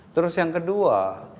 terus yang kedua